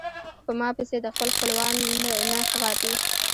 پۀ ما پسې د خپل خپل وال نه غاپي